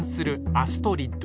アストリッド！